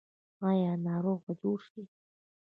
آیا ناروغ به جوړ شي؟